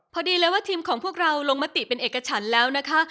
พอดีเลยว่าทีมของพวกเราลงมติเป็นเอกฉันแล้วนะคะ